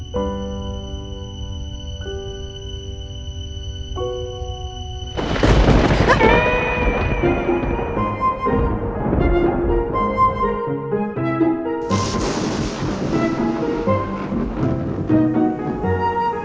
gak apa apa petir